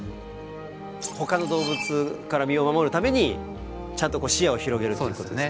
ほかの動物から身を守るためにちゃんと視野を広げるっていうことですか。